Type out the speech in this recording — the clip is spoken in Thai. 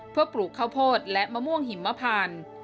เพื่อปลูกข้าวโพดและมะม่วงหิมพาน